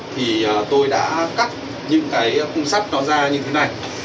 thì tôi đã cắt những cái khung sắt đó ra như thế này